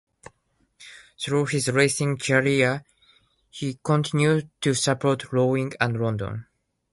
Through his racing career he continued to support rowing and London.